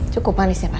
cukup manis ya pak